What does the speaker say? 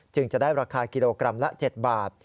จะได้ราคากิโลกรัมละ๗บาท